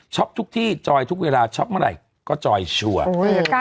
ทุกที่จอยทุกเวลาช็อปเมื่อไหร่ก็จอยชัวร์